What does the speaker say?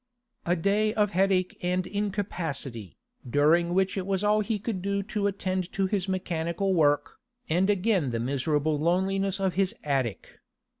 A day of headache and incapacity, during which it was all he could do to attend to his mechanical work, and again the miserable loneliness of his attic.